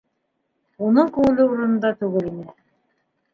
Уның күңеле урынында түгел ине.